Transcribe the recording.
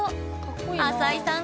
淺井さん